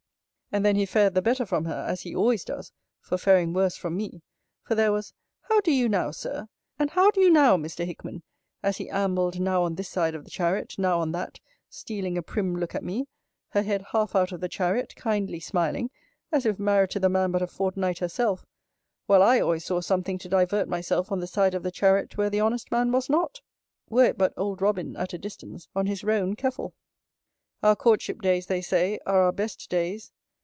And then he fared the better from her, as he always does, for faring worse from me: for there was, How do you now, Sir? And how do you now, Mr. Hickman? as he ambled now on this side of the chariot, now on that, stealing a prim look at me; her head half out of the chariot, kindly smiling, as if married to the man but a fortnight herself: while I always saw something to divert myself on the side of the chariot where the honest man was not, were it but old Robin at a distance, on his roan Keffel. Our courtship days, they say, are our best days.